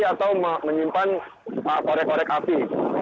atau menyimpan korek korek api